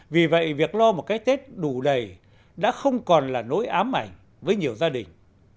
vì vậy việc lo một cái tết đủ đầy đã không còn là nỗi ám ảnh với nhiều gia đình